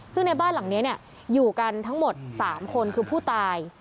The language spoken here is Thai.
ซึ่งในบ้านหลังนี้อยู่กันทั้งหมด๓คนคือผู้ตาย